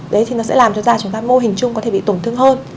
đấy thì nó sẽ làm cho da chúng ta mô hình chung có thể bị tổn thương hơn